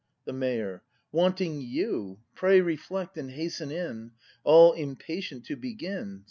The Mayor. Wanting you! Pray reflect, and hasten in! All impatient to begin.